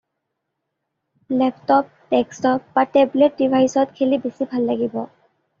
Laptop, desktop বা tablet ডিভাইচত খেলি বেছি ভাল লাগিব।